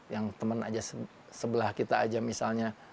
yang teman aja sebelah kita aja misalnya